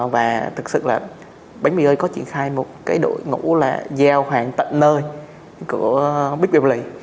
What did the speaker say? và thực sự là bánh mì ơi có triển khai một cái đội ngũ là giao hàng tận nơi của big wley